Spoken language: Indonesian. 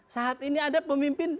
saat ini ada pemimpin